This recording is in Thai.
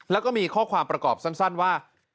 แล้วก็มีข้อความประกอบสั้นว่า